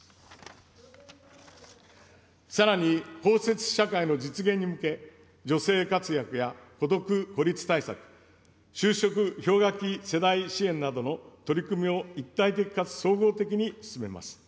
さらに包摂社会の実現に向け、女性活躍や孤独・孤立対策、就職氷河期世代支援などの取り組みを一体的かつ総合的に進めます。